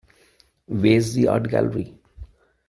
Where's the art gallery?